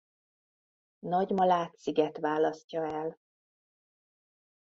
Nagy-Malát sziget választja el.